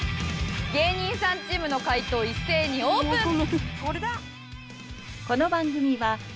芸人さんチームの解答一斉にオープン！